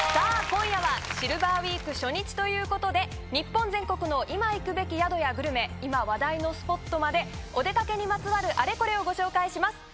今夜はシルバーウィーク初日ということで日本全国の今行くべき宿やグルメ今話題のスポットまでお出かけにまつわるあれこれをご紹介します。